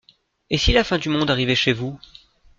Et si la fin du monde arrivait chez vous?